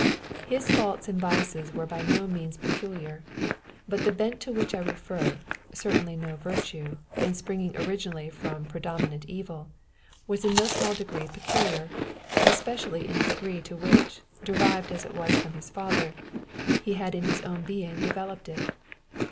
His faults and vices were by no means peculiar; but the bent to which I refer, certainly no virtue, and springing originally from predominant evil, was in no small degree peculiar, especially in the degree to which, derived as it was from his father, he had in his own being developed it.